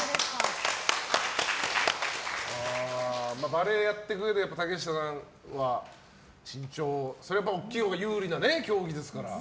バレーをやっていくうえで竹下さんは身長、大きいほうが有利な競技ですから。